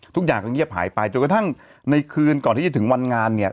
ทุกอย่างก็เงียบหายไปจนกระทั่งในคืนก่อนที่จะถึงวันงานเนี่ย